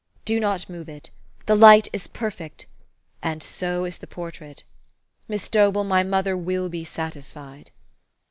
Do not move it. The light is perfect and so is the portrait. Miss Dobell, my mother will be satisfied."